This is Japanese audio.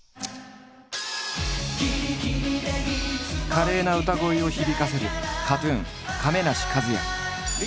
華麗な歌声を響かせるＫＡＴ−ＴＵＮ亀梨和也。